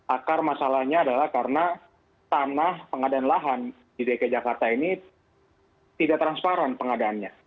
akar masalahnya adalah karena tanah pengadaan lahan di dki jakarta ini tidak transparan pengadaannya